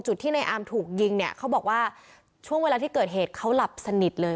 ที่ในอาร์มถูกยิงเนี่ยเขาบอกว่าช่วงเวลาที่เกิดเหตุเขาหลับสนิทเลย